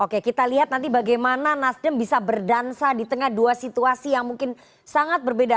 oke kita lihat nanti bagaimana nasdem bisa berdansa di tengah dua situasi yang mungkin sangat berbeda